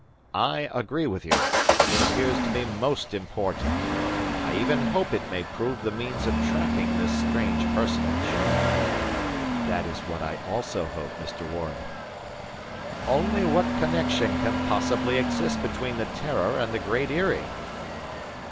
"I agree with you. It appears to me most important. I even hope it may prove the means of tracking this strange personage." "That is what I also hope, Mr. Ward." "Only what connection can possibly exist between the 'Terror' and the Great Eyrie?"